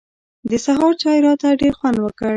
د سهار چای راته ډېر خوند وکړ.